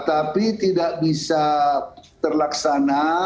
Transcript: tapi tidak bisa terlaksana